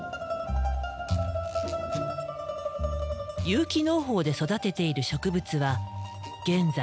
有機農法で育てている植物は現在９０種類。